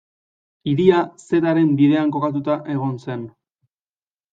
Hiria Zetaren bidean kokatuta egon zen.